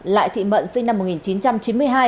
lại thị mận sinh năm hai nghìn năm